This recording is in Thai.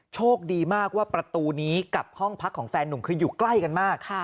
โชคดีมากว่าประตูนี้กับห้องพักของแฟนหนุ่มคืออยู่ใกล้กันมาก